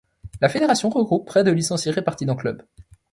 La fédération regroupe près de licenciés, répartis dans clubs.